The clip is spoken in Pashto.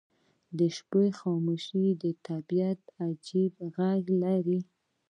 • د شپې خاموشي د طبیعت عجیب غږ لري.